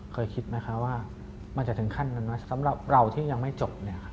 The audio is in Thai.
เคยคิดไหมคะว่ามันจะถึงขั้นนั้นไหมสำหรับเราที่ยังไม่จบ